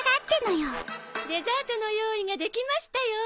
デザートの用意ができましたよ。